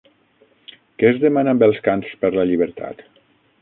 Què es demana amb els Cants per la Llibertat?